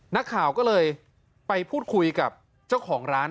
นักข่าวก็เลยไปพูดคุยกับเจ้าของร้าน